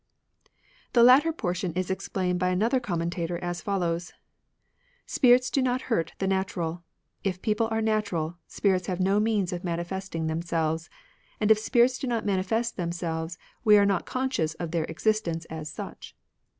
The latter portion is explained by another com mentator as follows :—'' Spirits do not hurt the natural. If people are natural, spirits have no means of manifesting themselves ; and if spirits do not manifest themselves, we are not conscious of their existence as such.